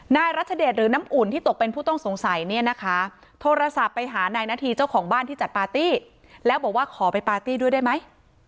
นายรัชเดชหรือน้ำอุ่นที่ตกเป็นผู้ต้องสงสัยเนี่ยนะคะโทรศัพท์ไปหานายนาธีเจ้าของบ้านที่จัดปาร์ตี้แล้วบอกว่าขอไปปาร์ตี้ด้วยได้ไหม